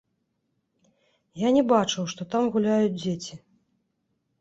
Я не бачыў, што там гуляюць дзеці.